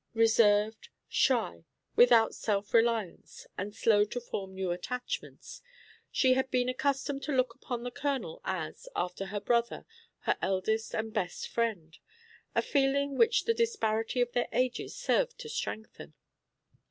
Reserved, shy, without self reliance, and slow to form new attachments, she had been accustomed to look upon the Colonel as, after her brother, her eldest and best friend, a feeling which the disparity of their ages served to strengthen.